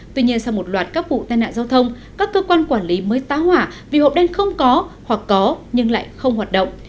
tuy nhiên sau một loạt các vụ tai nạn giao thông các cơ quan quản lý mới tá hỏa vì hộp đen không có hoặc có nhưng lại không hoạt động